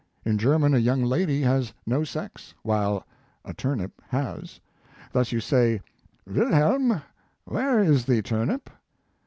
In German a young lady has no sex, while a turnip has. Thus you say: "Wilhelm, where is the turnip